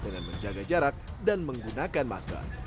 dengan menjaga jarak dan menggunakan masker